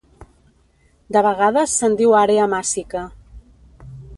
De vegades se'n diu àrea màssica.